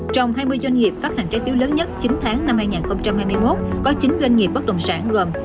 trong hai mươi doanh nghiệp phát hành trái phiếu lớn nhất chín tháng năm hai nghìn hai mươi một có chín doanh nghiệp bất động sản gồm